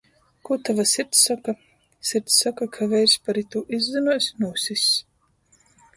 Kū tova sirds soka? Sirds soka, ka veirs par itū izzynuos, nūsiss!...